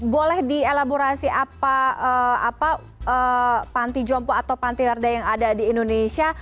boleh dielaborasi apa panti jompo atau pantiwerda yang ada di indonesia